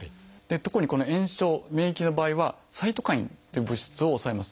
特に炎症免疫の場合はサイトカインっていう物質を抑えます。